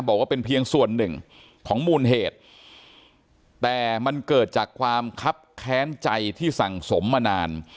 บอกว่าเป็นเพียงส่วนหนึ่งของมูลเหตุแต่มันเกิดจากความคับแค้นใจที่สั่งสมมานาน